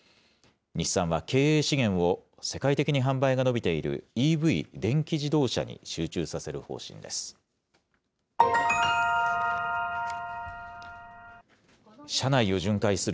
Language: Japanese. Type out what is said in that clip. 日産は経営資源を世界的に販売が伸びているＥＶ・電気自動車に集中させる方針です。